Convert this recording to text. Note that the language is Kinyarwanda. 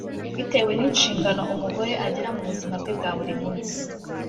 Bitewe n’inshingano umugore agira mu buzima bwe bwa buri munsi